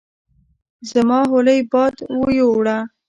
زما حولی باد ويوړه